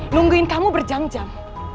nungguin kamu berjam jam